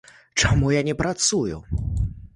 Чаму я не працую?